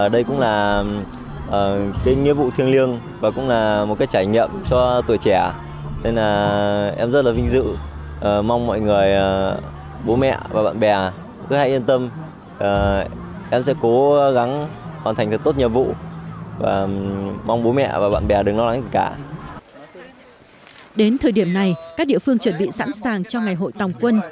đến thời điểm này các địa phương chuẩn bị sẵn sàng cho ngày hội tòng quân